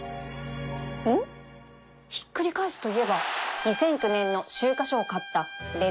ひっくり返すといえば２００９年の秋華賞を勝った